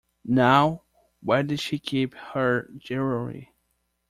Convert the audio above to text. Now, where did she keep her jewellery?